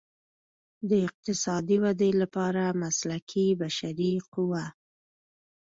د اقتصادي ودې لپاره مسلکي بشري قوه.